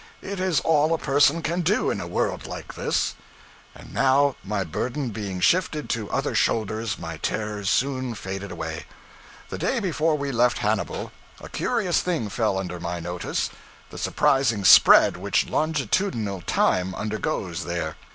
It is all a person can do in a world like this.' And now, my burden being shifted to other shoulders, my terrors soon faded away. The day before we left Hannibal, a curious thing fell under my notice the surprising spread which longitudinal time undergoes there.